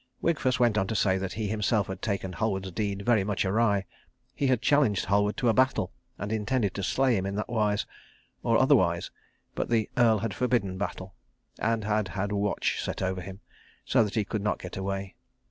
Wigfus went on to say that he himself had taken Halward's deed very much awry. He had challenged Halward to a battle, and intended to slay him in that wise, or otherwise, but the Earl had forbidden battle, and had had a watch set over him, so that he could not get away.